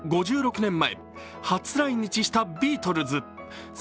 ５６年前初来日したビートルズ。